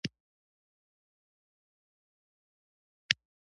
بانکونه د ښځو د اقتصادي خپلواکۍ ملاتړ کوي.